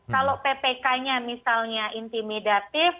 kalau ppk nya misalnya intimidatif